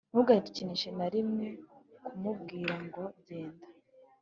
ntugakinishe na rimwe kumubwira ngo genda